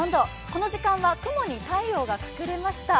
この時間は雲に太陽が隠れました。